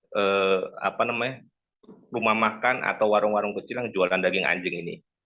pemerintah yang membuat kebijakan untuk membuat kebijakan untuk rumah makan atau warung warung kecil yang menjual daging anjing ini